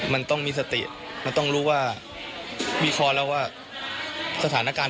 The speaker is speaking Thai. มันต้องมีสติมันต้องรู้ว่าวิเคราะห์แล้วว่าสถานการณ์